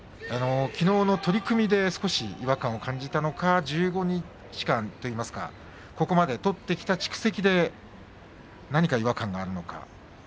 きのうの取組で少し違和感を感じたのか１５日間といいますか、ここまで取ってきた蓄積で何か違和感があるのか。